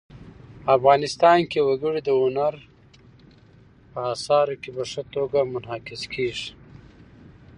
افغانستان کې وګړي د هنر په اثار کې په ښه توګه منعکس کېږي.